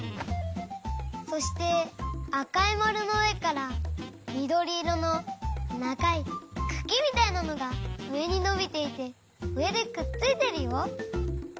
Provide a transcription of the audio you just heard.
そしてあかいまるのうえからみどりいろのながいくきみたいなのがうえにのびていてうえでくっついてるよ。